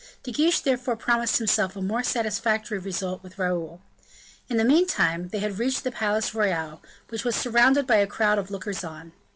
De Guiche therefore promised himself a more satisfactory result with Raoul. In the meantime they had reached the Palais Royal, which was surrounded by a crowd of lookers on.